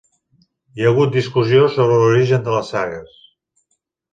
Hi ha hagut discussió sobre l'origen de les sagues.